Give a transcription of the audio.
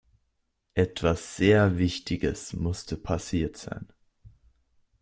Etwas sehr Wichtiges musste passiert sein.